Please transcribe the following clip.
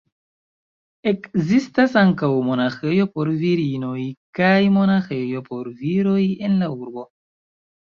Ekzistas ankaŭ monaĥejo por virinoj kaj monaĥejo por viroj en la urbo.